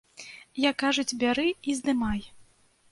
Як кажуць, бяры і здымай!